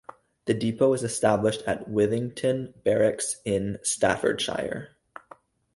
The depot was established at Whittington Barracks in Staffordshire.